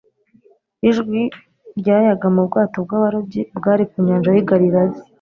ijwi ryayaga mu bwato bw'abarobyi bwari ku nyanja y'i Galilaya,